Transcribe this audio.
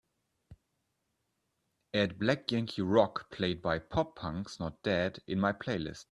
add Black Yankee Rock played by Pop Punk's Not Dead in my playlist